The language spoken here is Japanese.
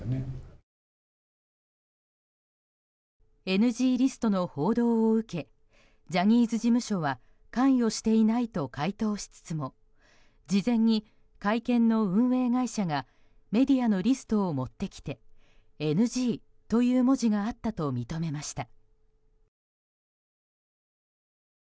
ＮＧリストの報道を受けジャニーズ事務所は関与していないと回答しつつも事前に会見の運営会社がメディアのリストを持ってきて「ＮＧ」という文字があったと認めました。